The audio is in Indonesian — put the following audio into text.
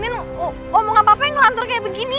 ngeladenin omongan apa apa yang ngelantur kayak begini